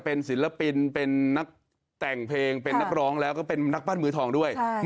มีนักร้องลูกทุ่งดังมากมายเนี่ยผ่านการปลูกปั้นมาจากพ่อวัยพจน์เพชรสุพรณนะฮะ